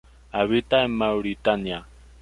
Habita en Mauritania.